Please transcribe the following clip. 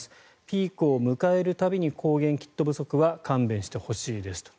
ピークを迎える度に抗原キット不足は勘弁してほしいですと。